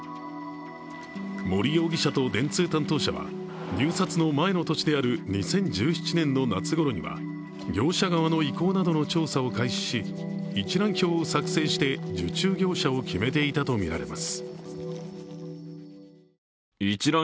森容疑者と電通担当者は、入札の前の年である２０１７年の夏ごろには、業者側の意向などの調査を開始し、一覧表を作成して受注業者を決めていたとみられます。